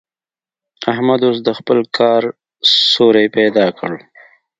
احمد اوس د خپل کار سوری پيدا کړ.